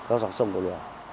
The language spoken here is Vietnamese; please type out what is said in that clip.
đóng dọc sông đầu nường